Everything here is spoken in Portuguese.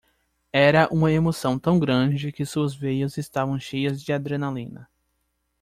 Era uma emoção tão grande que suas veias estavam cheias de adrenalina.